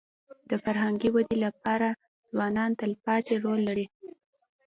د فرهنګي ودې لپاره ځوانان تلپاتې رول لري.